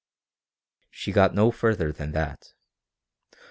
She got no further than that.